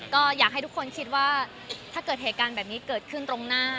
ก็อยากให้ทุกคนคิดว่าถ้าเกิดเหตุการณ์แบบนี้เกิดขึ้นตรงหน้า